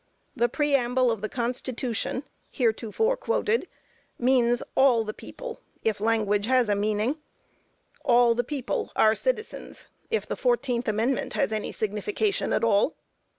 The Preamble of the Constitution, heretofore quoted, means all the people, if language has a meaning. All the people are citizens, if the fourteenth amendment has any signification at all.